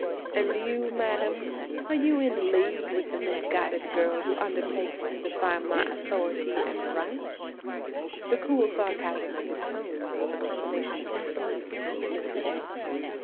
"And you, madam, are you in league with the misguided girl who undertakes to defy my authority and rights?" The cool sarcasm of his tones was a combination of insolence and impudence.